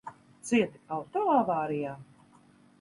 Cieti auto avārijā?